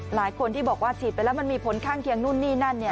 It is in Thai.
หลายคนที่บอกว่าฉีดไปแล้วมันมีผลข้างเคียงนู่นนี่นั่น